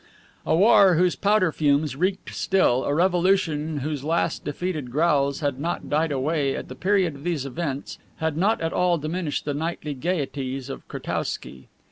A war whose powder fumes reeked still, a revolution whose last defeated growls had not died away at the period of these events, had not at all diminished the nightly gayeties of Kretowsky.